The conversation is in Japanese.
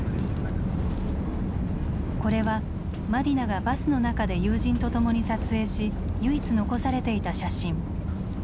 これはマディナがバスの中で友人と共に撮影し唯一残されていた写真。